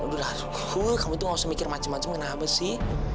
udah kamu tuh gak usah mikir macem macem kenapa sih